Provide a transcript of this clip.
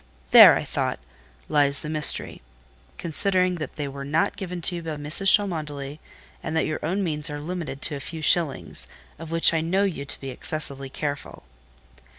"There," I thought, "lies the mystery; considering that they were not given you by Mrs. Cholmondeley, and that your own means are limited to a few shillings, of which I know you to be excessively careful."